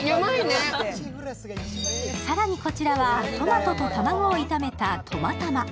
更にこちらはトマトと卵を炒めたトマタマ。